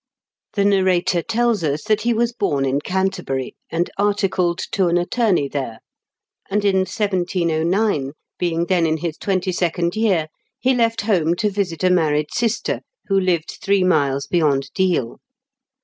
The narrator tells us that he was born in Canterbury, and articled to an attorney there ; and in 1709, being then in his twenty second year, he left home to visit a married sister, who lived three miles beyond Deal.